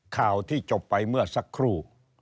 ข่าวที่จบไปเมื่อสักครู่